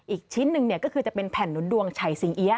อีกชิ้นหนึ่งก็คือจะเป็นแผ่นหนุนดวงชัยสิงเอี๊ย